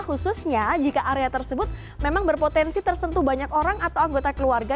khususnya jika area tersebut memang berpotensi tersentuh banyak orang atau anggota keluarga